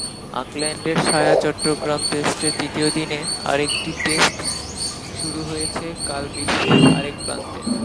অকল্যান্ডের ছায়াচট্টগ্রাম টেস্টের তৃতীয় দিনে আরেকটি টেস্ট শুরু হয়েছে কাল বিশ্বের আরেক প্রান্তে।